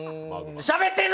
しゃべってんな！